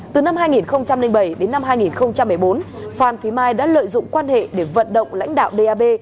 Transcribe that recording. từ năm hai nghìn bảy đến năm hai nghìn một mươi bốn phan thúy mai đã lợi dụng quan hệ để vận động lãnh đạo d a b